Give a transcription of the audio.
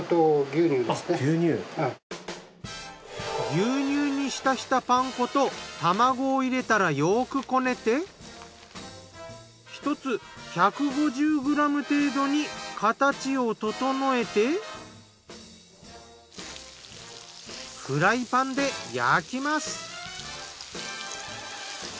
牛乳に浸したパン粉と卵を入れたらよくこねて１つ１５０ｇ程度に形を整えてフライパンで焼きます。